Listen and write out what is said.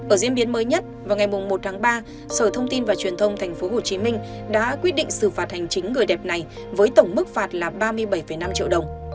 ở diễn biến mới nhất vào ngày một tháng ba sở thông tin và truyền thông tp hcm đã quyết định xử phạt hành chính người đẹp này với tổng mức phạt là ba mươi bảy năm triệu đồng